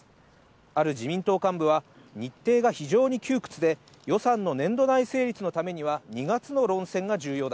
ある自民党幹部は日程が非常に窮屈で、予算の年度内成立のためには２月の論戦が重要だ。